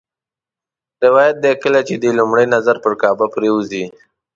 روایت دی کله چې دې لومړی نظر پر کعبه پرېوځي.